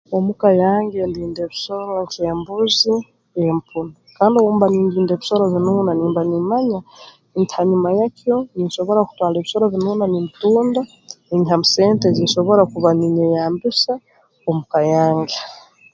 Omu ka yange ndinda ebisoro nk'embuzi empunu kandi obu mba nindunda ebisoro binuuna nimba nimanya nti hanyuma yakyo ninsobora kutwara ebisoro binuuna nimbitunda ninyihamu sente ezi nsobora kuba ninyeyambisa omu ka yange